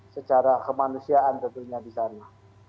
secara kemanusiaan tentunya di sana